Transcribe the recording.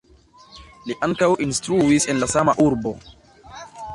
Li ankaŭ instruis en la sama urbo.